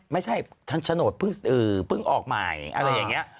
ไม่ใช่ทางโฉนดเพิ่งออกใหม่อะไรอย่างนี้